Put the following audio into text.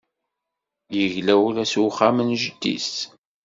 Yegla ula s uxxam n jeddi-s.